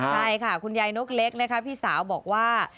ใช่ค่ะคุณยายนกเล็กนะคะพี่สาวบอกว่า